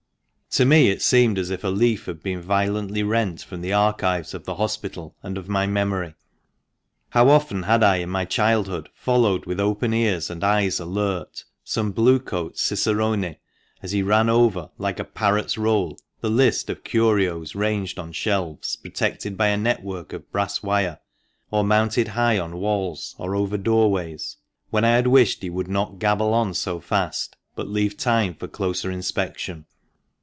To me it seemed as if a leaf had been violently rent from the archives of the Hospital and of my memory. How often had I in my childhood followed, with open ears and eyes alert, some Blue coat cicerone as he ran over, like a parrot's roll, the list of curios ranged on shelves protected by a network of brass wire, or mounted high on walls or over doorways, when I had wished he would not gabble on so fast, but leave time for closer inspection.